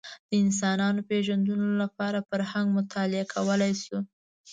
د انسانانو پېژندلو لپاره فرهنګ مطالعه کولی شو